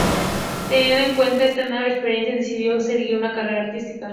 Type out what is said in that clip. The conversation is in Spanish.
Teniendo en cuenta esta nueva experiencia, decidió seguir una carrera artística.